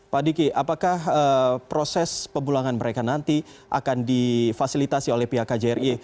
pak diki apakah proses pemulangan mereka nanti akan difasilitasi oleh pihak kjri